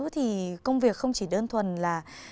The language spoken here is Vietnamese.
thì công việc không chỉ đơn thuần là